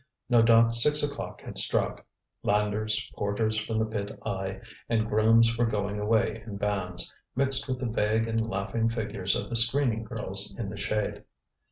No doubt six o'clock had struck; landers, porters from the pit eye, and grooms were going away in bands, mixed with the vague and laughing figures of the screening girls in the shade.